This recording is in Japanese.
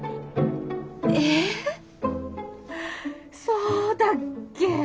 えそうだっけ？